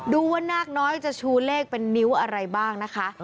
ดูว่านาคน้อยจะชูเลขเป็นนิ้วอะไรบ้างนะคะ